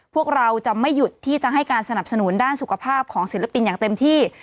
พวกเราจะไม่หยุดที่จะให้การสนับสนุนด้านสุขภาพของศิลปินอย่างเต็มที่